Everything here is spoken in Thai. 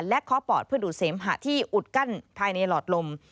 และเคาะปอดเพื่อดูดเสมหะที่อุดกั้นภายในหลอดลม